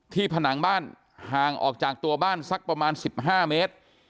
ผนังบ้านห่างออกจากตัวบ้านสักประมาณ๑๕เมตร